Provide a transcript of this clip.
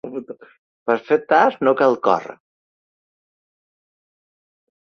Per fer tard no cal córrer.